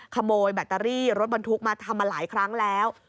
แบตเตอรี่รถบรรทุกมาทำมาหลายครั้งแล้ว